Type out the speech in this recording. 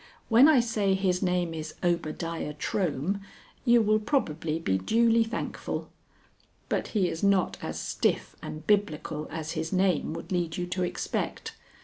When I say his name is Obadiah Trohm, you will probably be duly thankful. But he is not as stiff and biblical as his name would lead you to expect.